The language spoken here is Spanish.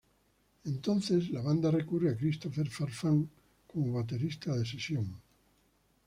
Entonces, la banda recurre a Christopher Farfán como baterista de sesión.